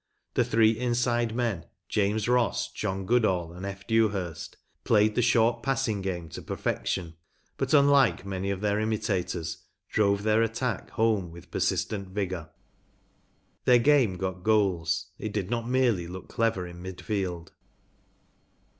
The three inside men, James Ross, John Goodall, and F. Dewhurst, played the short passing game to perfection, but, unlike many of their imitators, drove their attack home with persistent vigour. Their game got goals ; it did not merely look clever in mid field.